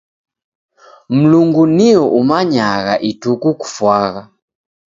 Mlungu nuo umayagha ituku kufwagha